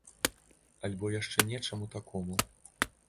Альбо яшчэ нечаму такому.